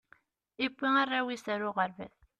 iwwi arraw is ar uɣerbaz